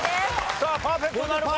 さあパーフェクトなるか？